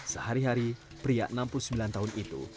sehari hari pria enam puluh sembilan tahun itu